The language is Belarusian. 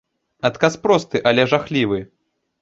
Адказ просты, але жахлівы.